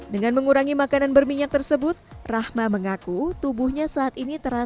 dengan mengurangi makanan berminyak tersebut rahma mengaku tubuhnya saat ini tidak bisa berubah